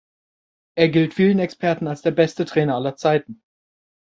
Er gilt vielen Experten als der beste Trainer aller Zeiten.